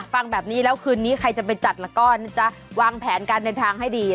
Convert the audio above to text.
ฟังแบบนี้แล้วคืนนี้ใครจะไปจัดแล้วก็จะวางแผนการเดินทางให้ดี